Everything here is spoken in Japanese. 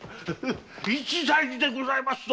一大事でございますぞ！